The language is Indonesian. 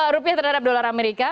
rupiah terhadap dolar amerika